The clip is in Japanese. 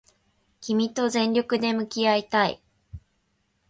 君と全力で向き合いたい